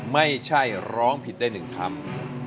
ไม่ใช่ร้องผิดได้๑คำ